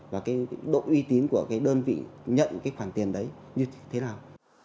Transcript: và độ uy tín của đơn vị nhận khoản tiền đấy như thế nào